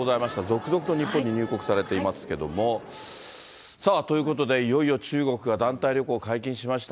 続々と日本に入国されていますけれども、さあ、ということで、いよいよ中国が団体旅行解禁しました。